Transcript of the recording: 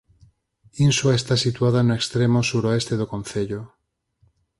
Insua está situada no extremo suroeste do concello.